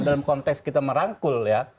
dalam konteks kita merangkul ya